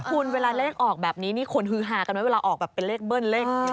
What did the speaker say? คุณเวลาเลขออกแบบนี้นี่คนฮือฮากันไหมเวลาออกแบบเป็นเลขเบิ้ลเลข